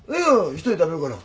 一人で食べるから。